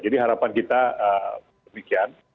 jadi harapan kita demikian